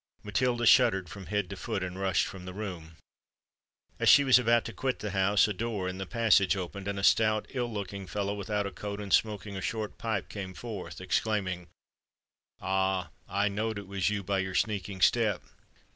Matilda shuddered from head to foot, and rushed from the room. As she was about to quit the house, a door in the passage opened, and a stout ill looking fellow, without a coat, and smoking a short pipe, came forth, exclaiming, "Ah! I know'd it was you by your sneaking step.